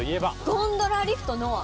ゴンドラリフト「ノア」。